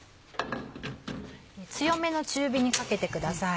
強めの中火にかけてください。